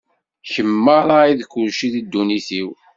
Kemm merra i d kulci di ddunit-iw.